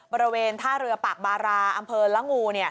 บริเวณท่าเรือปากบาราอำเภอละงู